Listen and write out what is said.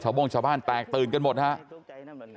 โบ้งชาวบ้านแตกตื่นกันหมดครับ